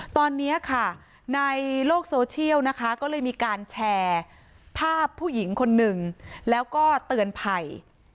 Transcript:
ตอนนี้ค่ะในโลกโซเชียลนะคะก็เลยมีการแชร์ภาพผู้หญิงคนหนึ่งแล้วก็เตือนภัย